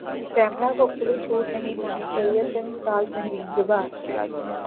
پیمرا کو کھلی چھوٹ نہیں ہونی چاہیے فلم ساز مہرین جبار